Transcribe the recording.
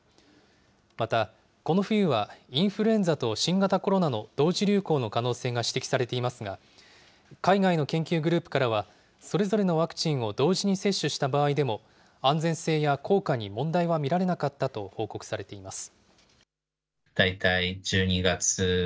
また、この冬はインフルエンザと新型コロナの同時流行の可能性が指摘されていますが、海外の研究グループからは、それぞれのワクチンを同時に接種した場合でも、安全性や効果に問題は見られなかったと報告されています。